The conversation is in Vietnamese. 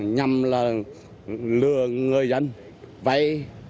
nhằm lừa người dân vai